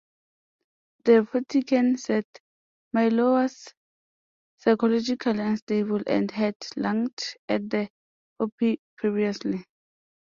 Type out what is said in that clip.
The Vatican said Maiolo was "psychologically unstable" and had lunged at the Pope previously.